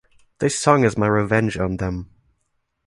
This song is my revenge on them.